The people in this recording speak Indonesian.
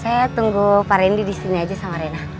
saya tunggu pak rendy disini aja sama rena